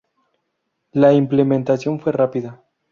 La implementación fue rápida.